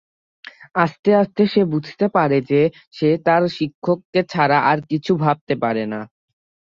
আস্তে আস্তে সে বুঝতে পারে যে, সে তার শিক্ষককে ছাড়া আর কিছু ভাবতে পারে না।